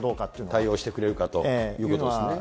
対応してくれるかということですね。